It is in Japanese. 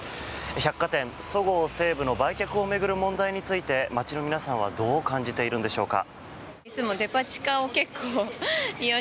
百貨店、そごう・西武の売却を巡る問題について街の皆さんはどう感じているのでしょうか。